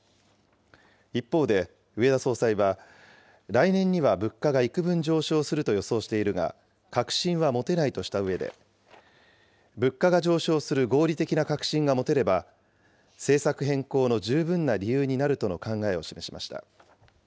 一方で植田総裁は、来年には物価がいくぶん上昇すると予想しているが、確信は持てないとしたうえで、物価が上昇する合理的な確信が持てれば、政策変更の十分な理由になるとの考えを示しました。